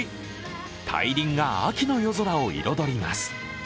大輪が秋の夜空を彩ります。